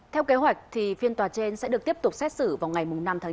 theo kế hoạch thì phiên tòa trên sẽ được tiếp tục xét xử vào ngày năm tháng chín